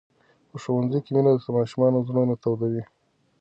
په ښوونځي کې مینه د ماشومانو زړونه تودوي.